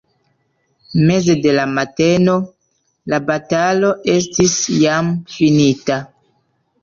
Meze de la mateno, la batalo estis jam finita.